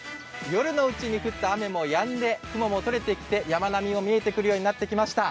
夜のうちに降った雨もやんで雲も取れてきて山並みも見えてくるようになりました。